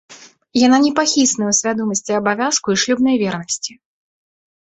Яна непахісная ў свядомасці абавязку і шлюбнай вернасці.